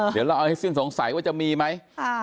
เดี๋ยวเราเอาให้สิ้นสงสัยว่าจะมีไหม